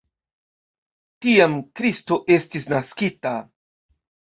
Tiam Kristo estis naskita.